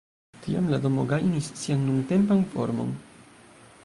Tiam la domo gajnis sian nuntempan formon.